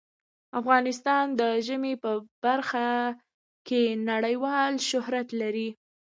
افغانستان د ژمی په برخه کې نړیوال شهرت لري.